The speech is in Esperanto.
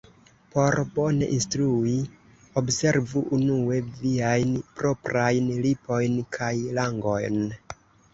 Por bone instrui, observu unue viajn proprajn lipojn kaj langon.